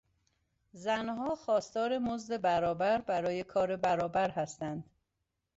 زنها خواستار مزد برابر برای کار برابر هستند.